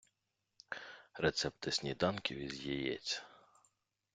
Рецепти сніданків із яєць